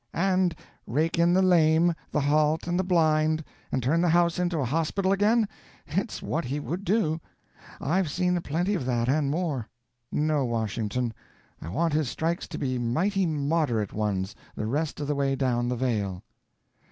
"And rake in the lame, the halt and the blind, and turn the house into a hospital again? It's what he would do. I've seen aplenty of that and more. No, Washington, I want his strikes to be mighty moderate ones the rest of the way down the vale."